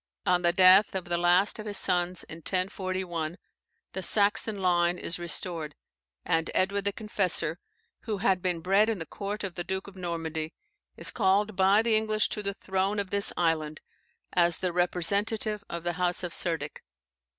On the death of the last of his sons, in 1041, the Saxon line is restored, and Edward the Confessor (who had been bred in the court of the Duke of Normandy), is called by the English to the throne of this island, as the representative of the House of Cerdic.